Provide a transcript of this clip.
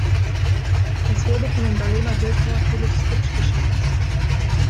Es wurde von dem Dahlemer Bildhauer Felix Kupsch geschaffen.